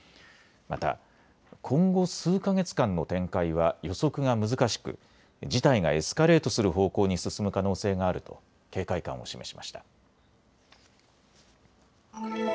また、今後数か月間の展開は予測が難しく事態がエスカレートする方向に進む可能性があると警戒感を示しました。